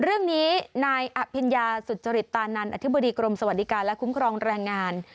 เรื่องนี้นายอภิญญาสุจริตตานันอธิบดีกรมสวัสดิการและคุ้มครองแรงงาน